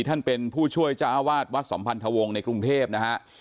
ท่านเป็นผู้ช่วยจ้าวาดวัดสัมพันธวงศ์ในกรุงเทพนะฮะ